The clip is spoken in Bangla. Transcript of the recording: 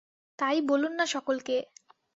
তাই বলুন না সকলকে?